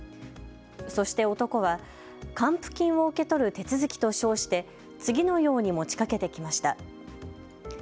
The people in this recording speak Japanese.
そして男は還付金を受け取る手続きと称して次のように持ちかけてきました。